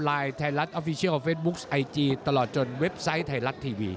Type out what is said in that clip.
ไทยรัฐออฟฟิเชียลเฟสบุ๊คไอจีตลอดจนเว็บไซต์ไทยรัฐทีวี